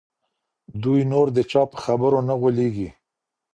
دوی نور د چا په خبرو نه غولیږي.